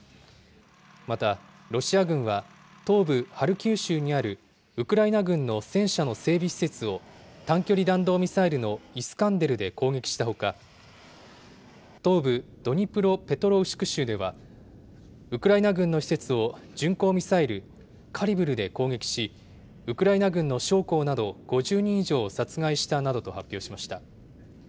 また、ロシア軍は、東部ハルキウ州にあるウクライナ軍の戦車の整備施設を短距離弾道ミサイルのイスカンデルで攻撃したほか、東部ドニプロペトロウシク州では、ウクライナ軍の施設を巡航ミサイル、カリブルで攻撃し、ウクライナ軍の将校など５０人以上を殺害したなどと発表しました。